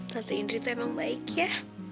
fase indri itu emang baik ya